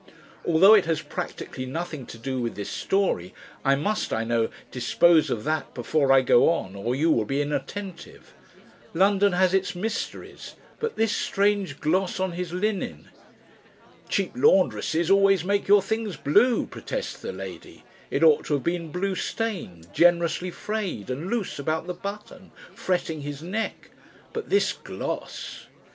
Although it has practically nothing to do with this story, I must, I know, dispose of that before I go on, or you will be inattentive. London has its mysteries, but this strange gloss on his linen! "Cheap laundresses always make your things blue," protests the lady. "It ought to have been blue stained, generously frayed, and loose about the button, fretting his neck. But this gloss